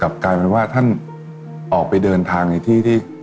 กลับกลายเป็นว่าท่านออกไปเดินทางในที่ที่มันลำบาก